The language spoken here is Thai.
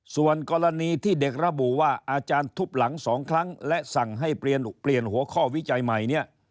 ส่วนกรณีที่เด็กระบุว่าอาจารย์ทุบหลัง๒ครั้งและสั่งให้เปลี่ยนหัวข้อวิจัยใหม่เนี่ย